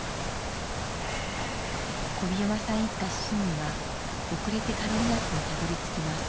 小檜山さん一家７人は遅れてカロリナスにたどりつきます。